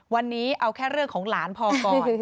วันนี้เอาแค่เรื่องของหลานพอก่อน